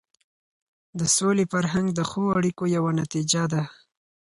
د سولې فرهنګ د ښو اړیکو یوه نتیجه ده.